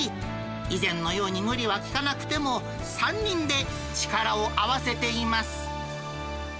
以前のように無理はきかなくても、３人で力を合わせています。